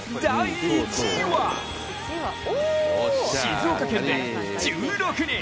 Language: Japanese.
そして、第１位は静岡県で、１６人！